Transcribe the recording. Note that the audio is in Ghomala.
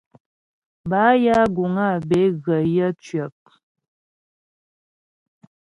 Bâ ya guŋ á bə́ é ghə yə̌ cwəp.